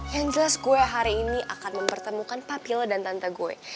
yang jelas gue hari ini akan mempertemukan papilo dan tante gue